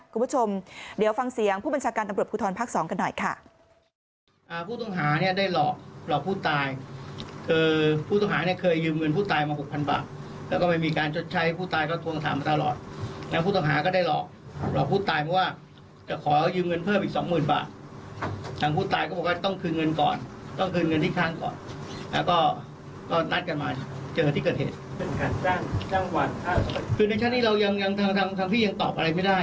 คุณผู้ชมเดี๋ยวฟังเสียงผู้บัญชาการตำรวจภูทรภาค๒กันหน่อยค่ะ